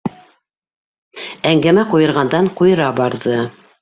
Әңгәмә ҡуйырғандан-ҡуйыра барҙы.